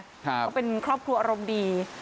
เขาเป็นครอบครัวอารมณ์ดี